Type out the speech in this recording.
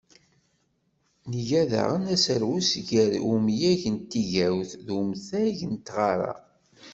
Nga daɣen aserwes gar umyag n tigawt, d umtag n tɣara.